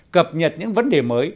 cập nhật những vấn đề mới